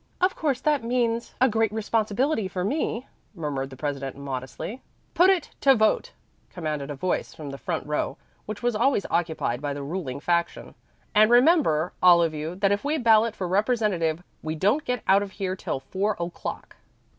"Of course that means a great responsibility for me," murmured the president modestly. "Put it to vote," commanded a voice from the front row, which was always occupied by the ruling faction. "And remember, all of you, that if we ballot for representative we don't get out of here till four o'clock."